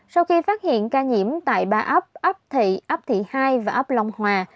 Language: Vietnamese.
sau khi phát hiện ca nhiễm tại ba ấp thị ấp thị hai và ấp long hòa